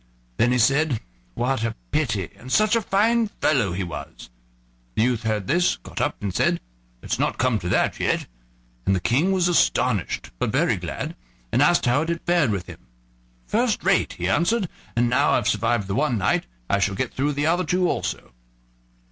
Then he said: "What a pity! and such a fine fellow he was." The youth heard this, got up, and said: "It's not come to that yet." Then the King was astonished, but very glad, and asked how it had fared with him. "First rate," he answered; "and now I've survived the one night, I shall get through the other two also."